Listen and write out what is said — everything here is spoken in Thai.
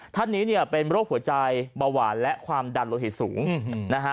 ท่านนี้เนี่ยเป็นโรคหัวใจเบาหวานและความดันโลหิตสูงนะฮะ